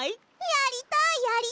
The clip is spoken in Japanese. やりたい！